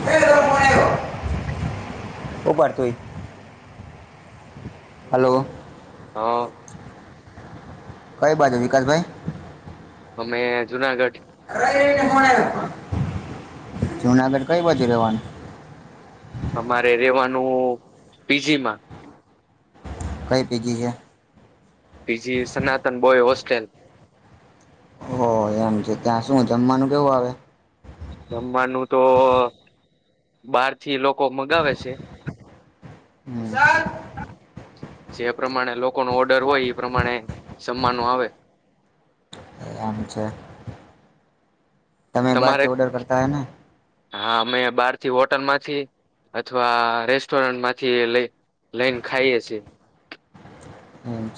એ તારો ફોન આવ્યો ઉપર તુંય હલો હા. કઈ બાત હ વિકાસભાઈ? અમે જુનાગઢ. જુનાગઢ કઈ બાજુ રહેવાનું? અમારે રેવાનું પીજીમાં. કઈ પીજી છે? બીજી સનાતન બોય હોસ્ટેલ. હો એમ છે ત્યાં શું જમવાનું કેવું આવે? જમવાનું તો બાર થી લોકો મગાવે છે. હમ્મ. જે પ્રમાણે લોકો ન ઓર્ડર હોય એ પ્રમાણે જમવાનું આવે એ આમ છે. તમે તમારે બહારથી ઓર્ડર કરતા હોય ને? હા અમે બહાર હોટલ માંથી અથવા રેસ્ટોરન્ટમાંથી લઈ લઈને ખાઈએ છેએ.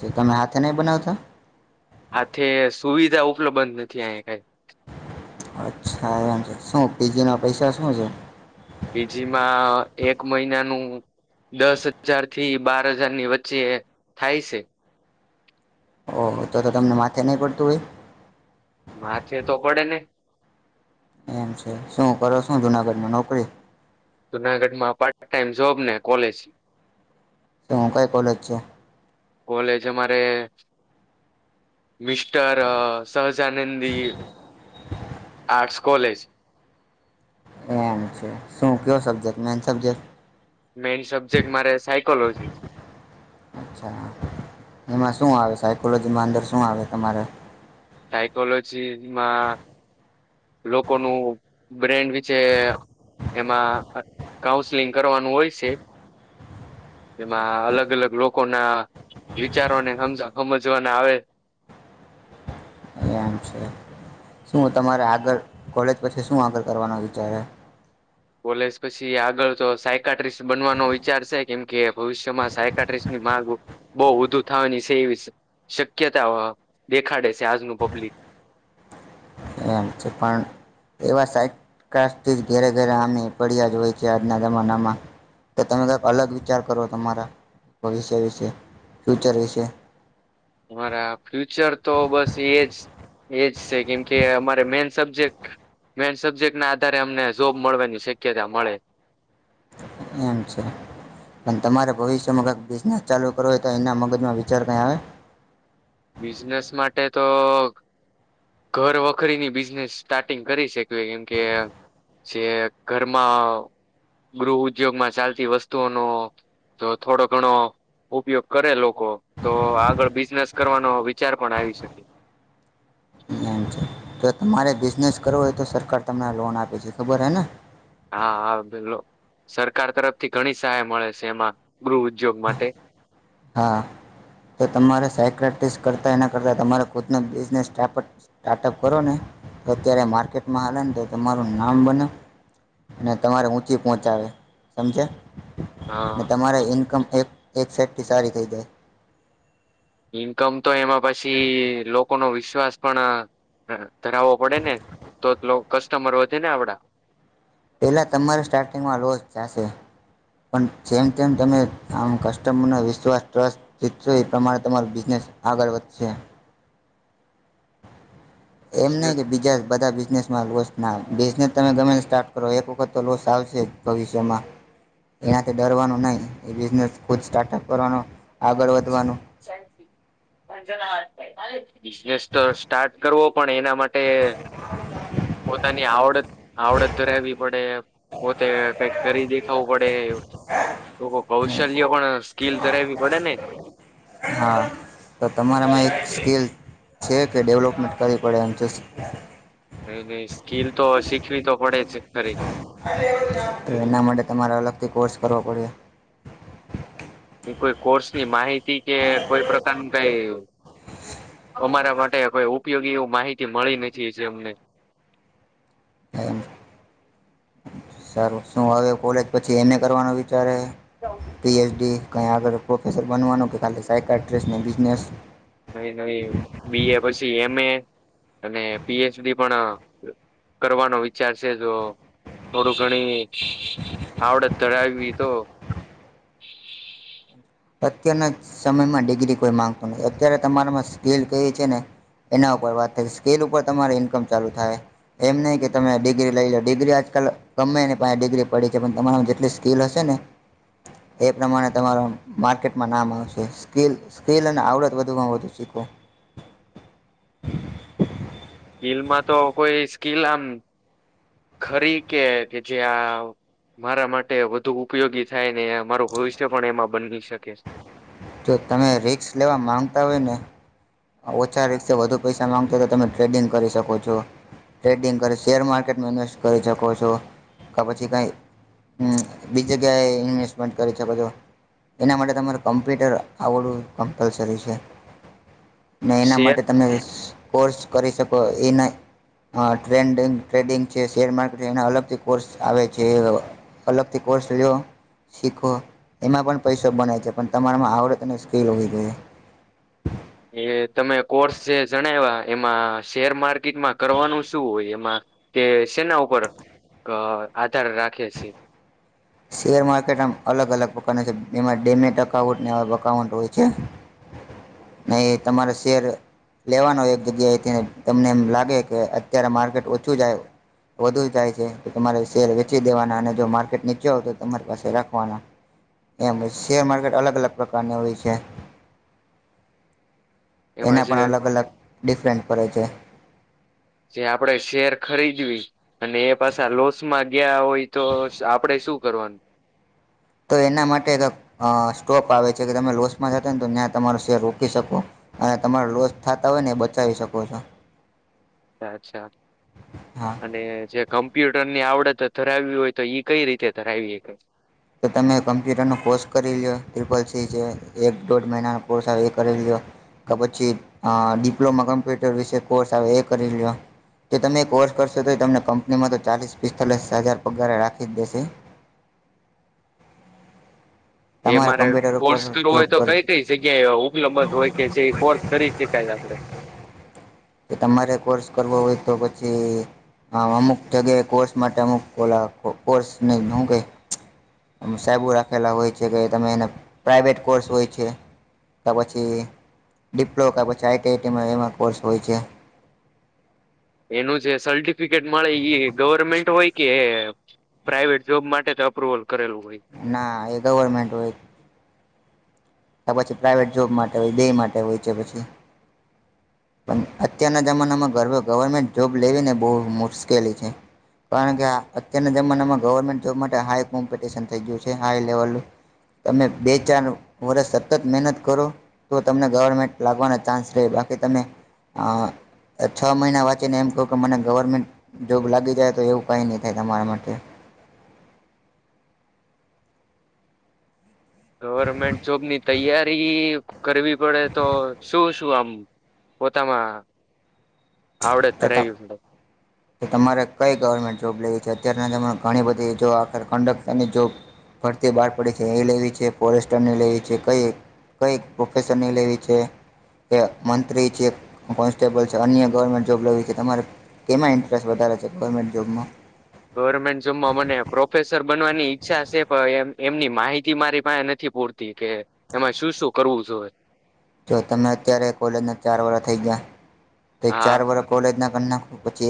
એ તમે હાથે નહી બનાવતા? આથે સુવિધા ઉપલબ્ધ જ નથી આ કઈ. અચ્છા એમ છે શું પીજી ના પૈસા શું છે? પીજીમાં એક મહિનાનું દસ હજાર થી બાર હજારની વચ્ચે થાય છે. ઓ તો તો તમને માથે નહી પડતું હોય. માથે તો પડે ને. એમ છે. શું કરો શું જુનાગઢમાં નોકરી? જુનાગઢ માં પાર્ટ ટાઈમ જોબ ને કોલેજ. શું કઈ કોલેજ છે? કોલેજ અમારે મિસ્ટર સહજાનંદી આર્ટસ કોલેજ. એમ છે. શું કયો સબ્જેક્ટ મેન સબ્જેક્ટ? લોજી. અચ્છા એમાં શું આવે? સાયકોલોજીમાં અંદર શું આવે તમારે? સાઇકોલોજી માં લોકોનું બ્રેન્ડ વિશેે એમાં કાઉન્સલિંગ કરવાનું હોય છે. એમાં અલગ અલગ લોકો ના વિચારોને સમ સમજવાના આવે એમ છે. શું તમારે આગળ કોલેજ પછી શું આગળ કરવાનો વિચારે? કોલેજ પછી આગળ તો સાયકાટ્રીિસ્ટ બનવાનો વિચાર છે. કેમ કે ભવિષ્યમાં સાયકાટ્રીિસ્ટની માગું બહ વધુ થવાની છે. એવીશે શક્યતા દેખાડે છે. આજનું પબ્લિક. એમ ચે પણ એવા સાઈટથી ઘેરે ઘેરે આમી પડ્યા જ હોય છે. આજના જમાનામાં. તો તમે કક અલગ વિચાર કરો તમારા ભવિષ્ય વિશે ફ્યુચર વિશે. મારા ફ્યુચર તો બસ એજ એજ છે. કેમ કે અમારે મેન સબ્જેક્ટ મેન સબ્જેક્ટ ના આધારે અમને જોબ મળવાની શક્યતા મળે. એમ છે. પણ તમારે ભવિષ્યમાં કઈ બિઝનેસ ચાલુ કરવો હોય તો એના મગજમાં વિચાર કં આવે બિઝનેસ માટે તો ઘર વખરીની બિઝનેસ સ્ટાર્ટિંગ કરી શક્યું કેમ કે જે ઘરમાં ગૃહ ઉદ્યોગમાં ચાલતી વસ્તુઓનો તો થોડો ઘણો ઉપયોગ કરે લોકો તો આગળ બિઝનેસ કરવાનો વિચાર પણ આવી શકે. જો તમારે બિઝનેસ કરવો હોય તો સરકાર તમને લોન આપે છે ખબર હે ને હા હા બેલો સરકાર તરફથી ઘણી સહાય મળે છે એમાં ગૃહ ઉદ્યોગ માટે હા તો તમારે સા પ્રેક્ટિસ કરતાં એના કરતાં તમારે ખુદનો બિઝનેસ સ્ટાર્ટઅપ સ્ટાર્ટઅપ કરો ને તો અત્યારે માર્કેટ ને તમારું નામ બને અને તમારે ઊચી પહંચાે સમજ હ અને તમારી ઇન્કમ એક સાઇટથી સારી થઈ જાય ઇન્કમ તો એમાં પછી લોકોનો વિશ્વાસ પણ હ ધરાવવો પડે ને તો કસ્ટમર વધે ને આપડા પહેલા તમારા સ્ટાર્ટિંગમાં લોસ જાશે પણ જે તેમ તમે આમ કસ્ટમરનો વિશ્વાસ ટ્રસ જીતશો એ પ્રમાણે તમારો બિઝનેસ આગળ વધશે એમ નહ બિઝનેસ કે બીજા બધા બિઝનેસ માં ના બિઝનેસ તમે ગમે સ્ટાર્ટ કરો એક વખત તો લોસ આવશે જ ભવિષ્યમાં એનાથી ડરવાનું નહ એ બિઝનેસ ખુદ સ્ટાર્ટઅપ કરવાનો આગળ વધવાનું ધજના વા બિઝનેસ તો સ્ટાર્ટ કરવો પણ એના માટે પોતાની આવડત આવડત ધરાવી પડે પોતે કઈક કરી દેખાવું પડે તો કૌશલ્ય પણ સ્કીિલ ધરાવી પડે નેને હા તો તમારામાં એક સ્કેલ છે કે ડેવલપમેન્ટ કરવી પડે એમ છે. ન નહી સ્કીિલ તો શીખવી તો પડે જ ખરી તો એના માટે તમારાલગ કે કોર્સ કરવ પડે કોઈ કોર્સની માહિતી કે કોઈ પ્રકારનું કઈ અમારા માટે માટેઈ ઉપયોગી એવું માહિતી મળી નથી અમને સારું શું હવે કોલેજ પછી એમ એ કરવાનું ચ્યારે પીએચડી કાંય આગળ પ્રોફેસર બનવાનું કે ખાલી સાઇક આટ્રેસ્ટને બિઝનેસ નવી નવી બી એ પછી એમ એ અને પીએચડી પણ કરવાનો વિચાર છે જો થોડું ઘણી આવડત ધરાવીવી તો [inaudible] અત્યના સમયમાં ડિગ્રી કોઈ માંગતું નહી અત્યારે તમારામાં સિકલ કેવી છે ને એના ઉપર વાત થ સ્કેલ ઉપર તમારી ઇન્કમ ચાલુ થાય એમ નહી કે તમે ડિગ્રી લઈ લો ડિગ્રી જ આજકાલ ગમે ને પા ડિગ્રી પડી છે પણ તમારામા જેટલી સ્કીિલ હશે ને એ પ્રમાણે તમારો માર્કેટમાં નામ આવશે સ્કિલ સ્કિલ અને આવડત વધુમાં વધુ શીખો [inaudible] સ્કીલમાં તો કોઈ સ્કીલ આમ ખરી કે કે જે આ મારા માટે વધુ ઉપયોગી થાય ને મારું ભવિષ્ય પણ એમાં બની શકે જો તમે રિક્સ લેવા માંગતા હોય ને ઓછા રીસે વધુ પૈસા માંગતા તો તમે, ટ્રેડિંગ કરી શકો છો ટ્રેડિંગ કરી શેર માર્કેટ માર્કેટમાં ઇન્વેસ્ટ કરી શકો છો કે પછી કાંઈ હમ બી જગ્યાએ ઇન્વેસ્ટમેન્ટ કરી છેકો એના માટે તમારે કમ્પ્યુટર આવડું કમ્પલસરી છે ને એના શેર માટે તમે કોર્સ કરી શકો એ ન હ ટ્રેડ ટ્રેડિંગ છે શેર માર્કેટ એના અલગથી કોર્સ આવે છે અલગથી કોર્સ લ્યો શીખો એમાં પણ પૈસો બને છે પણ તમારામાં આવડત અને સ્કીલ હોવી જોઈએ હ એ તમે કોર્સ જે જણાવ્યા એમાં શેર માર્કેટમાં કરવાનું શું હોય એમાં કે સેના ઉપર આધાર રાખે છે શેર માર્કેટમ અલગ અલગ પ્રકાર છે જેમાં ડેમે ટ અકાઉટ એવા અકાઉન્ટ હોય છે નહી તમારે શેર લેવાનો એક જગ્યાએથી તમને એમ લાગે કે અત્યારે માર્કેટ ઓછું જાય વધુ જાય છે તો તમારે શેર વેચી દેવાના અને જો માર્કેટ ની જાઓ તો તમારી પાસે રાખવાના એમ શેર માર્કેટ અલગ અલગ પ્રકારની હોય છે એમાં એના જે પણ અલગ અલગ ડિફરન્ટ પડે છે જે આપણેે શેર ખરીદવી અને એ પાછા લોસ માં ગયા હોય તો આપડે શું કરવાનું [inaudible] તો એના માટે એક સ્ટોક આવે છે કે તમે લોસમાં જતા ને તો ત્યાં તમારો શેર રોકી શકો અને તમારો લોસ થતા હોય ને એ બચાવી શકો છો અચ્છા હા અને જે કં કોમ્પ્યુટર ની આવડત ધરાવી હોય તો ઈ કઈ રીતે ધરાવીએ તો તમે કમ્પ્યુટરનો કોર્સ કરી લ ટ્રિપલ સી છે એક દોઢ મહિનાનો કોર્સ આવે એ કરી લ્યો કે પછી ડિપ્લોમા કોમ્પ્યુટર વિશે કોર્સ આવે એ કરી લ્યો જો તમે કોર્સ કરશો તો તમને કંપનીમાં તો ચાલીસ પિસ્તાલીસ હજાર પગાર રાખી જ દેશે [unintelligible] એ તમારે મારે કમ્પ્યુટર ઉપર કોર્સ કરવ જોબ હોય તો કર કઈ કઈ જગ્યાએ ઉપલબ્ધ હોય કે જે કોર્સ કરી શકાય આપડે કે તમારે કોર્સ કરવો હોય તો પછી હા અમુક જગ્યાએ કોર્સ માટે અમુક ખ કોર્સ ન હું કઈ સાેબુ રાખયલા હોય છે કે તમે એને પ્રાઇવેેટ કોર્સ હોય છે ત પછી ડિપ્લો કે પછી આઈટીઆઈટીમાં એવા કોર્સ હોય છે એનું જે સર્ટિફિકેટ મળે એ ગવર્મેન્ટ હોય કે પ્રાઇવેટ જોબ માટે તો અપ્રુવલ કરેલું હોય ના એ ગવર્મેન્ટ હોય કે પછી પ્રાઇવેટ જોબ માટે હોય બેેય માટે હોય છે પછી પણ અત્યારના જમાનામાં ગર્ભ ગવર્મેન્ટ જોબ લેવીને બહુ મુશ્કેલી છે કારણ કે અત્યારના જમાનામાં ગવર્મેન્ટ જોબ માટે હાઈ કોમ્પિટિશન થઈ ગયું છે હાઈ લેવલ તમે બેચનું. વર્ષ સતત મહેનત કરો તો તમને ગવર્મેન્ટ લાગવાના ચાન્સ રહે બાકી તમે હા. છ મહિના વાંચીને એમ કહું કે મને ગવર્મેન્ટ જોબ લાગી જાય તો એવું કઈ નહી થાય તમારા માટે. [inaudible] ગવર્મેન્ટ જોબ ની તૈયારી કરવી પડે તો શું શું આમ પોતામાં આવડત ધરાવી પડે તમારે કઈ ગવર્મેન્ટ જોબ લઈ? જે અત્યારના જમા ઘણી બધી જો આખ કંડક્ટરની જો. ફરતે બહાર પડે છે એ લેવી છે ફોરેસ્ટરને લેવી છે કઈ કઈ પ્રોફેેશર નહી લેવી છે. કે મંત્રી છે કોન્સ્ટેબલ છે અન્ય ગવર્મેન્ટ જોબ લેવી છે તમારે કેમાં ઇન્ટરેસ્ટ વધારે છે ગવર્મેન્ટ જોબમાં. ગવર્મેન્ટ જોબમાં મને પ્રોફેસર બનવાની ઈચ્છા છે પણ એ એમની માહિતી મારી પાસે નથી પૂરતી કે એમાં શું શું કરવું જો હોઈએ. જો તમે અત્યારે કોલેજના ચાર વાડા થઈ ગયા તો હા ચાર વડા કોલેજના પછ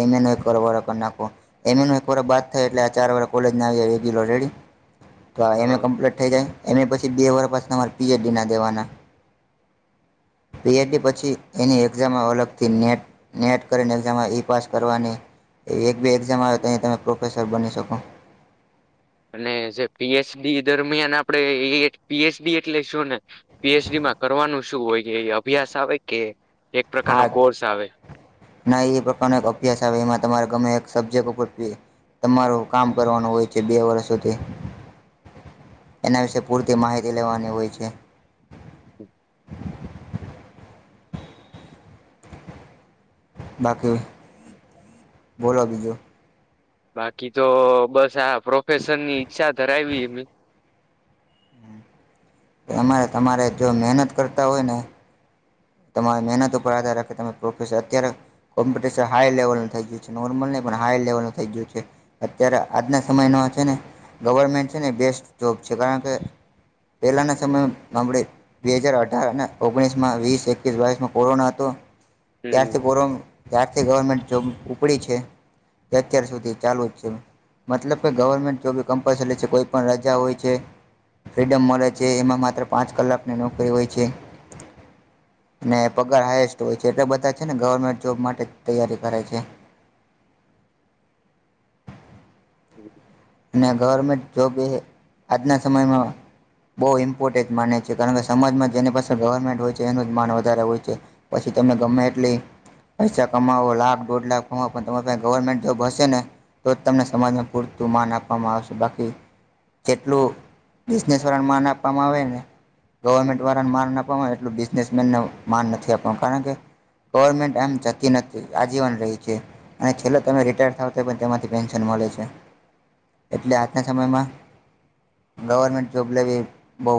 એક નાખ એમ ન એક વાર બાદ થાય એટલે આ ચાર વાર કોલેજ આવીાય રેગ્યુલર ઘરેડી. તો એમએ હા કમ્પ્લીટ થઈ જાય એમ એ પછી બે વાર પાછ તમારે પીએચડી ના દેવાના [inaudible] પીએચડી પછી એની એક્ઝામમાં અલગથી ને નેટ કરીને એક્ઝામમાં ઈ પાસ કરવાની એ એક બે એક્ઝામ આવે તો અહીં તમે પ્રોફેસર બની શકો. અને જે પીએચડી દરમિયાન આપડે પીએચડી એટલે શું ને પીએચડી કરવાનું શું હોય અભ્યાસ આવે કે? એક પ્રકારનો હા કોર્સ આવે ના એ પ્રકારનો એક અભ્યાસ આવે એમાં તમારે ગમે સબજેક્ટરથી તમારું કામ કરવાનું હોય છે બે વર્ષ સુધી. એના વિશે પૂરતી માહિતી લેવાની હોય છે. [inaudible] બાકી બોલો બીજું. બાકી તો બસ આ પ્રોફેશનની ઈચ્છા ધરાવી એ. તમારે તમારે જો મહેનત કરતા હોય ને તમારી મહેનત ઉપર આધાર રાખે તમે પ્રોફેસ અત્યારે કોમ્પિટશન હાઈ લેવલ થઈ ગયું છે નોર્મલ નહીં. પણ હાઈ લેવલનું થઈ ગયું છે અત્યારે આજના સમયનો છે ને ગવર્મેન્ટ છે ને એ બેસ્ટ જોબ છે કારણ કે. પહેલાના સમય માબળી બે હજાર અઢાર અને ઓગણીસ માં વીસ એક વાયસમાં કોરોના તો હમ ત્યારથી કો ત્યારથી થી ગવર્મેન્ટ જોબ ઉપડી છે તે અત્યાર સુધી ચાલુ જ છે. મતલબ કે ગવર્મેન્ટ જોબી કમ્પલસરી છે કોઈ પણણ રાજા હોય છે. ફ્રીડમ મળે છે એમાં માત્ર પાંચ કલાકની નોકરી હોય છે. અનેને પગાર હાાયસ્ટ હોય છે એટલા બધા છે ને ગવર્મેન્ટ જોબ માટે તૈયારી કરે છે. [inaudible] અને ગવર્મેન્ટ જોબ એ આજના સમયમાં બહુ ઇમ્પોર્ટેન્ટ માને છે કારણ કે સજમાં જેની પાસે ગવર્મેન્ટ હોય છે એનું જ માન વધારે હોય છે પછી તમને ગમે એટલી પૈસા કમાવો લાખ દોઢ લાખ કમાવો પણ તમારે ગવર્મેન્ટ જોબ હશે ને તો તમને સમાજમાં પૂરતું માન આપે આપવામાં આવશે બાકી જેટલું બિઝનેસવાળા માન આપવામાં આવે ને ગવર્મેન્ટ વાળાને માન અ આપવાનો એટલું બિઝનેસમેનને માન નથી આપનું કારણ કે. ગવર્મેન્ટ એમ જતી નથી આજીવન રહી છે અને છેલ્લે તમે રિટાયર થાવ તો પણ તેથી પેન્શન મળ છે એટલે આજના સમયમાં ગવર્મેન્ટ જોબ લેવી બહુ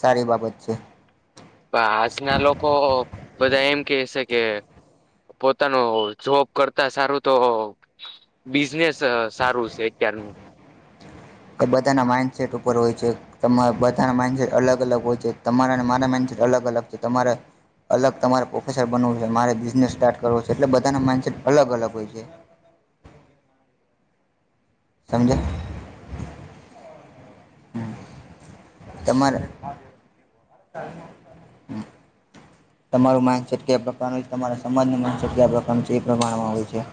સારી બાબત છે. આજના લોકો બધા એમ કેય છે કે પોતાનું જોબ કરતા સારું તો બિઝનેસ સારું છે. કયારનું [inaudible] એ બધાના માન્ડસેટ ઉપર હોય છે એમના બધાના માન્ડસેટ અલગ અલગ હોય છે તમારા ને મારા માઈ અલગ અલગ છે તમાર અલગ તમારે પ્રોફેસર બનવું છે મારે બિઝનેસ સ્ટાર્ટ કરવો છે એટલે બધાના માઇન્ડસેટ અલગ અલગ હોય છે. હ સમજયા? હમ્મ, તમારે તમારું માઇન્ડસેટ કયા પ્રકારનું છે તમારા સમાજનું માઈન્ડ પ્રકારનું છે એ પ્રમાણમાં અમા આવું છે.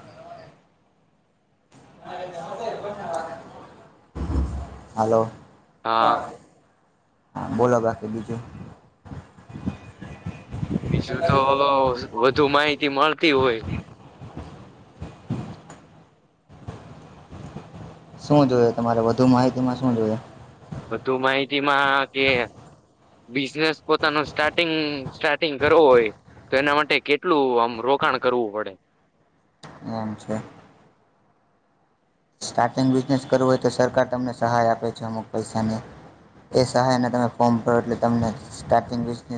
[inaudible] હાલો. હા બોલો બાકી બીજું. બીજું તો વધુ માહિતી મળતી હોય. [inaudible] શું જોયે તમારે વધુ માહિતીમાં શું જોએ? બધું માહિતીમાં કે બિઝનેસ પોતાનું સ્ટાર્ટિંગ સ્ટાર્ટિંગ કરવો હોય તેના માટે કેટલું આમ રોકાણ કરવું પડે? એમ છે. સ્ટાર્ટિંગ બિઝનેસ કરવું હોય તો સરકાર તમને સહાય આપે છે અમુક પૈસાની. એ સહાય અને તમે ફોર્મ ભરો એટલે તમને સ્ટાર્ટિગ બિઝનેસ